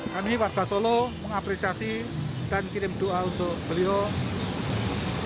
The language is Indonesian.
kami warga solo mengapresiasi dan kirim doa untuk beliau